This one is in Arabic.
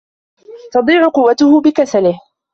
تَضِيعُ قُوَّتُهُ بِكَسَلِهِ